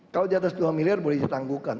kalau diatas dua miliar boleh ditangguhkan